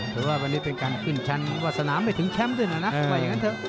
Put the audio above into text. ถือว่าวันนี้เป็นการขึ้นชั้นวาสนามไม่ถึงแชมป์ด้วยนะว่าอย่างนั้นเถอะ